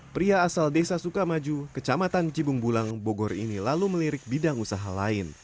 pria asal desa sukamaju kecamatan cibung bulang bogor ini lalu melirik bidang usaha lain